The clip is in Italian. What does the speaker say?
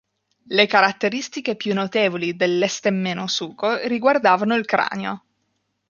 Le caratteristiche più notevoli dell'estemmenosuco riguardavano il cranio.